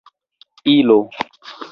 ilo